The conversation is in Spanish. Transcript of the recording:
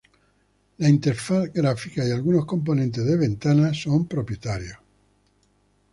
La interfaz gráfica y algunos componentes de Windows son propietarios.